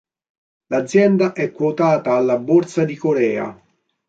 L'azienda è quotata alla Borsa di Corea.